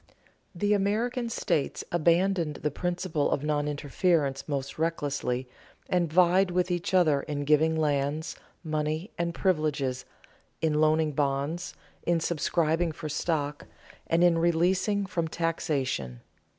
The American states abandoned the principle of non interference most recklessly, and vied with each other in giving lands, money, and privileges, in loaning bonds, in subscribing for stock, and in releasing from taxation.